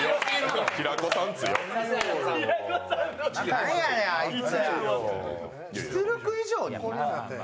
何やねん、あいつ。